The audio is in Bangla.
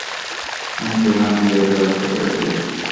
আমি তোমার বিয়ের ব্যবস্থা করে ফেলেছি।